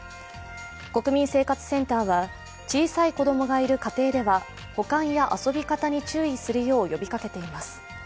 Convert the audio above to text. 国民生活センターは、小さい子供がいる家庭では保管や遊び方に注意するよう呼びかけています。